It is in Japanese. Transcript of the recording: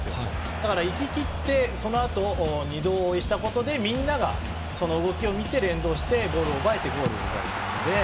だから行ききってそのあと２度追いしたことでみんながその動きを見て連動してボールを奪えてゴール。